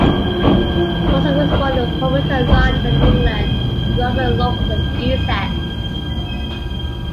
Russell was born in Homerton, London, England, and grew up in Loughton, Essex.